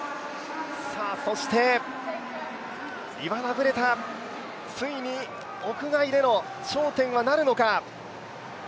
そしてイバナ・ブレタ、ついに屋外での頂点はなるのか。